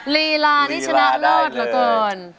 ลีรานี่ชนะอรอดเหรอเติ้ลลีราได้เลย